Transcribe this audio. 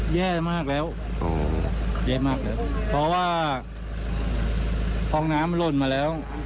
แย่มากแล้วแย่มากแล้วเพราะว่าพอน้ำมันหล่นมาแล้ว